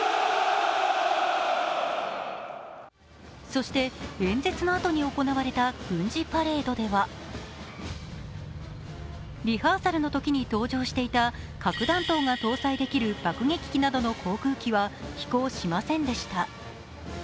そして、演説のあとに行われた軍事パレードではリハーサルのときに登場していた核弾頭が搭載できる爆撃機などの航空機は飛行しませんでした。